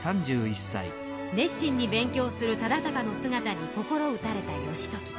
熱心に勉強する忠敬のすがたに心打たれた至時。